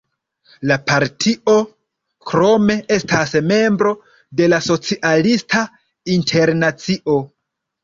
La partio krome estas membro de la Socialista Internacio.